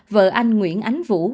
vợ anh nguyễn ánh vũ